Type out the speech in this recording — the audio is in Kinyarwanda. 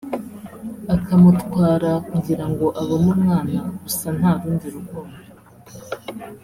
akamutwara kugira ngo abone umwana gusa nta rundi rukundo